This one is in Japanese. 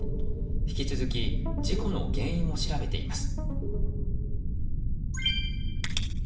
引き続き、事故の原因を調べています。